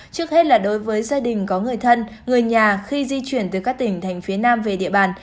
trước hết là đối với gia đình có người thân người nhà khi di chuyển từ các tỉnh thành phía nam về địa bàn